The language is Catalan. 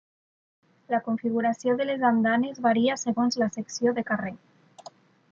La configuració de les andanes varia segons la secció de carrer.